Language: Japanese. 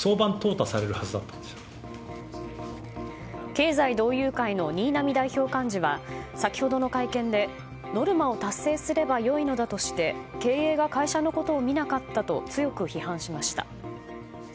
経済同友会の新浪代表幹事は先ほどの会見でノルマを達成すればよいのだとして経営が会社のことを見なかったと強く批判しました。